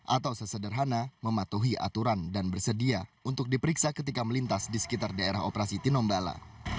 atau sesederhana mematuhi aturan dan bersedia untuk diperiksa ketika melintas di sekitar daerah operasi tinombala